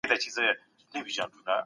زه په کمپيوټر کي کارونه زده کوم.